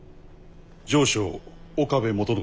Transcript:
城将岡部元信